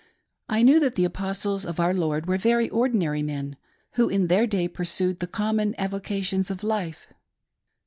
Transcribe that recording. I knew that the Apostles of our Lord were very ordinary men, who in their day pursued the common avocations of life.